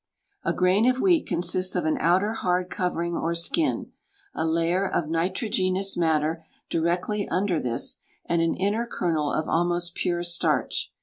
A grain of wheat consists of an outer hard covering or skin, a layer of nitrogenous matter directly under this, and an inner kernel of almost pure starch.